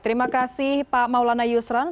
terima kasih pak maulana yusran